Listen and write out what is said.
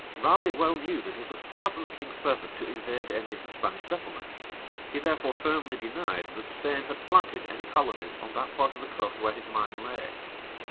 Raleigh well knew that it was far from the king's purpose to invade any of the Spanish settlements: he therefore firmly denied that Spain had planted any colonies on that part of the coast where his mine lay.